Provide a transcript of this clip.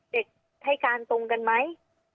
เด็กให้การตรงกันไหม